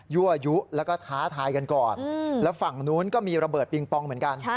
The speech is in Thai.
ั่วยุแล้วก็ท้าทายกันก่อนแล้วฝั่งนู้นก็มีระเบิดปิงปองเหมือนกัน